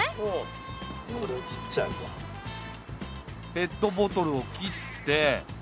ペットボトルを切って。